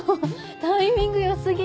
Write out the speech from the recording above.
タイミング良過ぎ。